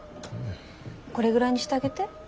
これぐらいにしてあげて。